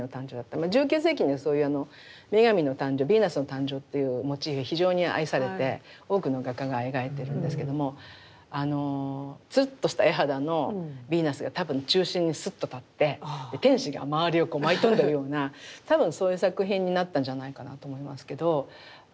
１９世紀にそういう女神の誕生ヴィーナスの誕生というモチーフは非常に愛されて多くの画家が描いてるんですけどもつるっとした絵肌のヴィーナスが多分中心にすっと立って天使が周りを舞い飛んでるような多分そういう作品になったんじゃないかなと思いますけど。